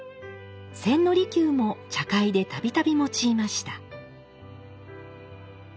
千利休も茶会で度々用いました。